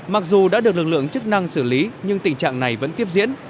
mặc dù đã được lực lượng chức năng xử lý nhưng tình trạng này vẫn tiếp diễn